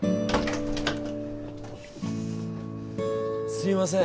すいません